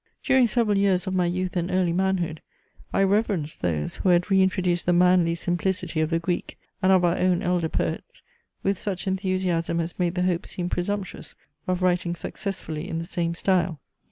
During several years of my youth and early manhood, I reverenced those who had re introduced the manly simplicity of the Greek, and of our own elder poets, with such enthusiasm as made the hope seem presumptuous of writing successfully in the same style.